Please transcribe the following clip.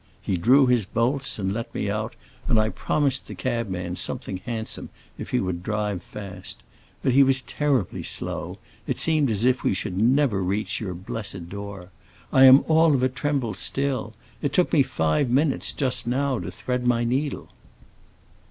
He drew his bolts and let me out, and I promised the cabman something handsome if he would drive fast. But he was terribly slow; it seemed as if we should never reach your blessed door. I am all of a tremble still; it took me five minutes, just now, to thread my needle."